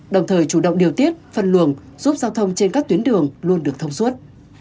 đồng thời chủ động điều tiết phân luồng giúp giao thông trên các tuyến đường luôn được thông suốt